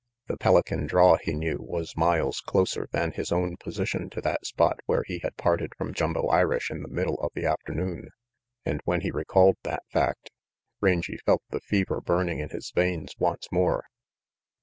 The Pelican draw, he knew, was miles closer than his own position to that spot where he had parted from Jumbo Irish in the middle of the afternoon, and when he recalled that fact, Rangy felt the fever burning in his veins once more.